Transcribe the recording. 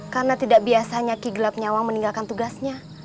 karena tidak biasanya kigelap nyawang meninggalkan tugasnya